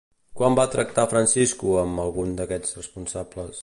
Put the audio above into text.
Quan va tractar Francisco amb algun d'aquests responsables?